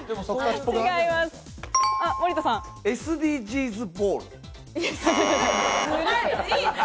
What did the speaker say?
ＳＤＧｓボール。